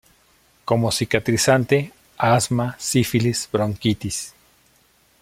Como cicatrizante, asma, sífilis, bronquitis.